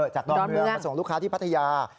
ดอนเมืองมาส่งลูกค้าที่พัทยา